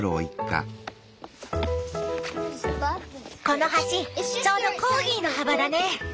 この橋ちょうどコーギーの幅だね。